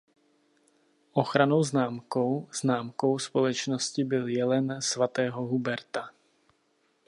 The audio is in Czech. Ochrannou známkou známkou společnosti byl jelen svatého Huberta.